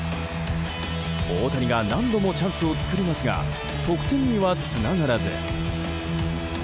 大谷が何度もチャンスを作りますが得点にはつながらず。